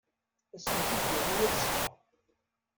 Ad asen-t-id-yawi azekka.